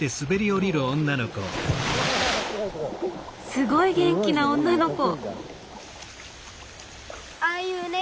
すごい元気な女の子！